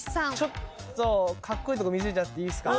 ちょっとカッコイイとこ見せちゃっていいですか？